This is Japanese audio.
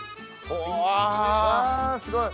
わすごい。